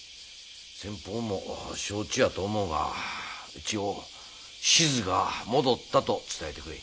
先方も承知やと思うが一応「志津が戻った」と伝えてくれ。